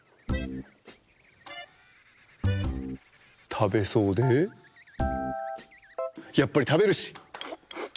たべそうでやっぱりたべるし。